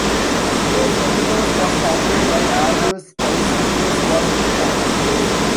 The "temenos" was founded by Aleus, Pausanias was informed.